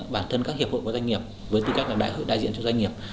bản thân các hiệp hội của doanh nghiệp với tư cách làm đại hội đại diện cho doanh nghiệp